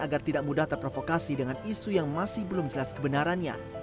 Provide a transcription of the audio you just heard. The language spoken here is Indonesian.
agar tidak mudah terprovokasi dengan isu yang masih belum jelas kebenarannya